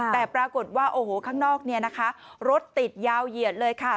แต่ปรากฏว่าโอ้โหข้างนอกรถติดยาวเหยียดเลยค่ะ